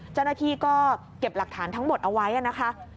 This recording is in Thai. เจ้าหน้าที่ก็เก็บหลักฐานทั้งหมดเอาไว้นะคะ